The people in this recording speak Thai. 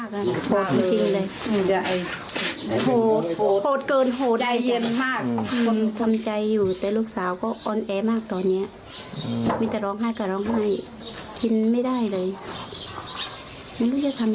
ความคืบหน้าเดี๋ยวตามกันต่อกันแล้วกันนะครับ